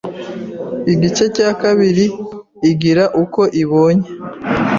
igice cya kabiri igira uko ibonye